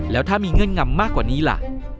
แล้วถ้ามีเงื่อนงำมากกว่านี้ล่ะ